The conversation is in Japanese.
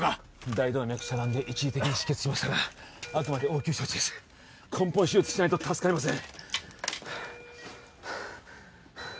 大動脈遮断で一時的に止血しましたがあくまで応急処置です根本手術しないと助かりません